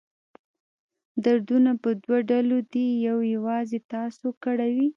دردونه په دوه ډوله دي یو یوازې تاسو کړوي.